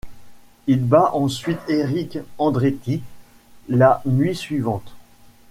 Il bat ensuite Erik Andretti la nuit suivante.